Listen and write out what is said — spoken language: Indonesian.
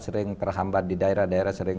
sering terhambat di daerah daerah sering